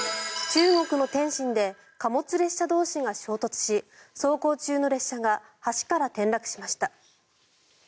中国の天津で貨物列車同士が衝突し走行中の列車が橋から転落しました。